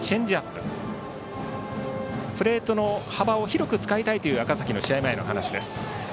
プレートの幅を広く使いたいという赤嵜の試合前の話です。